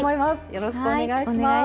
よろしくお願いします。